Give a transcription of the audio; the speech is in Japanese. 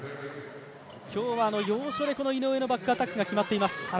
今日は要所で井上のバックアタックが決まっています。